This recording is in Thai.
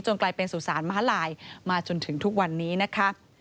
กลายเป็นสุสานม้าลายมาจนถึงทุกวันนี้นะคะ